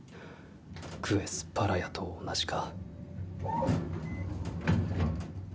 クェス・パラヤと同じか。